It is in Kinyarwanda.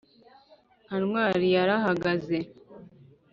nka ntwari yarahagaze.